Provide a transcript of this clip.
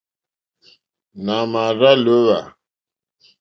Nà mà àrzá lǒhwà.